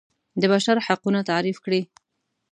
د بشر حقونه تعریف کړي.